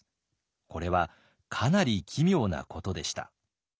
これはかなり奇妙なことでした。